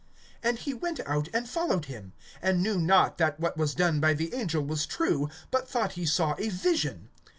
(9)And he went out, and followed him; and knew not that what was done by the angel was true, but thought he saw a vision.